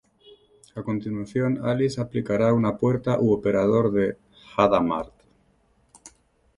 A continuación Alice aplicará una puerta u operador de Hadamard.